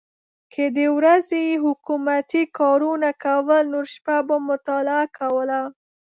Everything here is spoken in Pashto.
که د ورځې یې حکومتي کارونه کول نو شپه به مطالعه کوله.